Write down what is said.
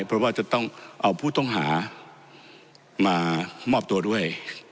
เพราะว่าจะต้องเอาผู้ต้องหามามอบตัวด้วย